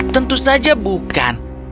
tentu saja bukan